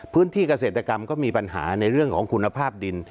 พื้นที่เกษตรกรรมก็มีปัญหาในเรื่องของคุณภาพดิน